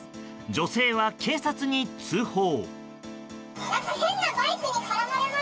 女性は警察に通報。